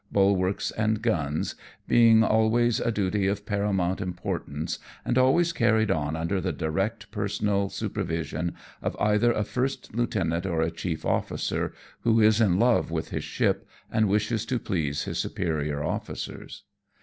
1 3 1 bulwarks and guns, being always a duty of paramount importance, and always carried on under the direct personal superyision of either a first lieutenant or a chief officer, who is in love with his ship, and wishes to please his superior officers.